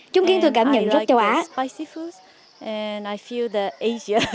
chúng khiến tôi cảm nhận rất châu á